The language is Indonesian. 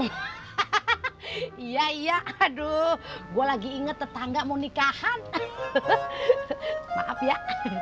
hahaha iya aduh gue lagi inget tetangga mau nikahan maaf ya